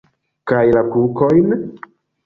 Kaj la kukojn?